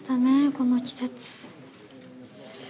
この季節。